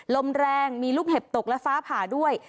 ลมแรงมีลูกเห็บตกและฟ้าผ่าด้วย